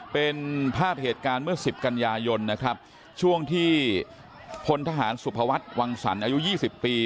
เป็นภาพเหตุการณ์เมื่อสิบกันยายนนะครับช่วงที่พลทหารสุภวัฒน์วังสรรคอายุยี่สิบปี